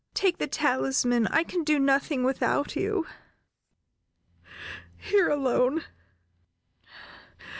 Take the talisman, I can do nothing without you! Here alone!